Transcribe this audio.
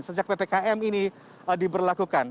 sejak ppkm ini diberlakukan